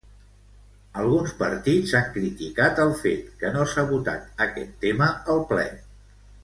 Alguns partits han criticat el fet que no s'ha votat aquest tema al ple.